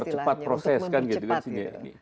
untuk mempercepat proses kan gitu kan